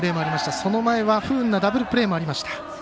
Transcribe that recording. その前は不運なダブルプレーもありました。